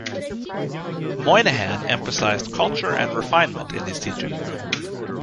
Moynihan emphasized culture and refinement in his teaching.